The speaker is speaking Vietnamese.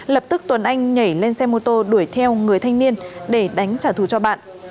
lập tức tuấn anh nhảy lên xe mô tô đuổi theo người thanh niên để đánh trả thù cho bạn